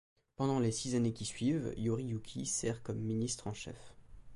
Pendant les six années qui suivent Yoriyuki sert comme ministre en chef.